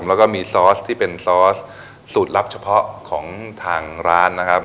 แล้วก็มีซอสที่เป็นซอสสูตรลับเฉพาะของทางร้านนะครับ